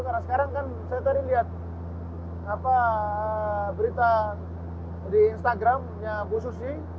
karena sekarang kan saya tadi lihat berita di instagramnya bu susi